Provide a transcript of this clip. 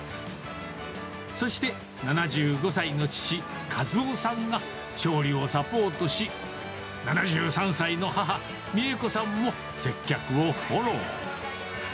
そして、７５歳の父、かずおさんが調理をサポートし、７３歳の母、三枝子さんも接客をフォロー。